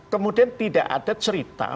kemudian tidak ada cerita